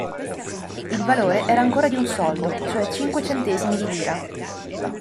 Il valore era ancora di un soldo, cioè cinque centesimi di lira.